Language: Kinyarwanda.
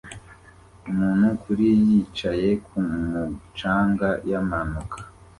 Umuntu kuri yicaye kumu canga yamanuka